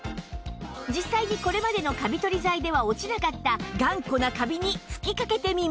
実際にこれまでのカビ取り剤では落ちなかった頑固なカビに吹きかけてみます